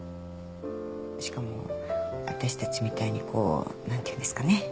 しかも私たちみたいにこう何ていうんですかね。